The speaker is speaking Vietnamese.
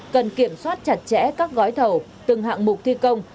cần kiểm soát chặt chẽ các gói thầu từng hạng mục thi công